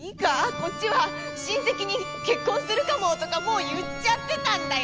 こっちは親戚に「結婚するかも」とかもう言っちゃってたんだよ！